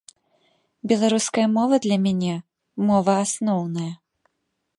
Беларуская мова для мяне мова асноўная.